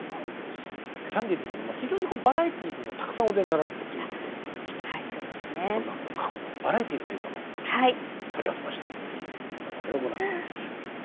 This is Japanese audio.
キャンディーズというのは非常にバラエティーにもたくさんお出になられていたということでございましてそんな過去のバラエティーの映像もこちらに取り寄せましたので今度はそれをご覧いただきましょう。